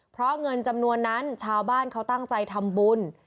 เพราะเงินจำนวนนั้นชาวบ้านเขาตั้งใจทำบุญ